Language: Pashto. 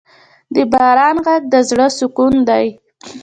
د باران ږغ د زړه سکون دی.